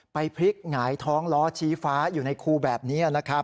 ไปพลิกหงายท้องล้อชี้ฟ้าอยู่ในครูแบบนี้